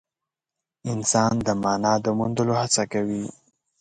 انسان د مانا د موندلو هڅه کوي.